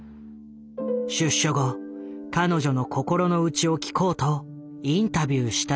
出所後彼女の心のうちを聞こうとインタビューした人物がいる。